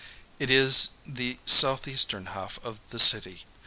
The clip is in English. It is the South eastern half of the city.